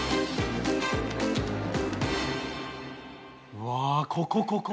うわーここここ。